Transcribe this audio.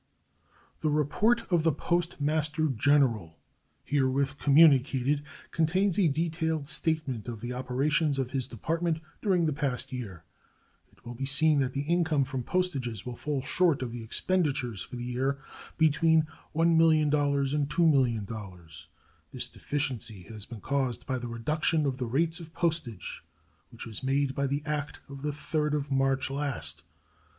The report of the Postmaster General herewith communicated contains a detailed statement of the operations of his Department during the pass year. It will be seen that the income from postages will fall short of the expenditures for the year between $1,000,000 and $2,000,000. This deficiency has been caused by the reduction of the rates of postage, which was made by the act of the 3d of March last.